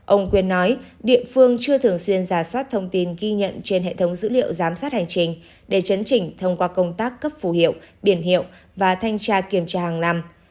ông quyên nói địa phương chưa thường xuyên giả soát thông tin ghi nhận trên hệ thống dữ liệu giám sát hành trình để chấn chỉnh thông qua công tác cấp phù hiệu biển hiệu và thanh tra kiểm tra hàng năm